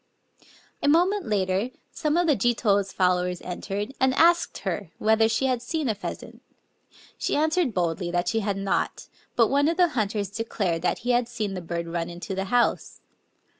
A moment later some of the Jito's followers entered, and asked her whether she had seen a pheasant. She answered boldly that she had not ; but one of the hunters declared that he had seen the bird run into the house.